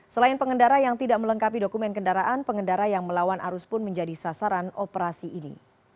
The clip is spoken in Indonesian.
selain pengendara yang tidak melengkapi dokumen kendaraan pengendara yang melawan arus pun menjadi sasaran operasi ini